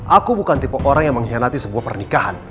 aku bukan tipe orang yang mengkhianati sebuah pernikahan